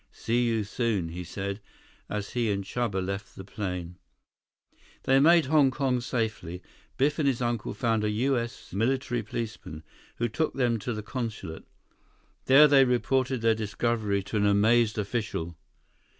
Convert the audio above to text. "See you soon," he said, as he and Chuba left the plane. They made Hong Kong safely. Biff and his uncle found a U.S. military policeman, who took them to the consulate. There they reported their discovery to an amazed official.